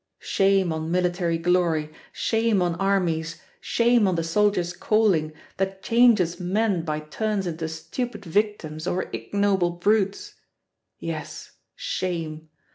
Shame on military glory, shame on armies, shame on the soldier's calling, that changes men by turns into stupid victims or ignoble brutes. Yes, shame.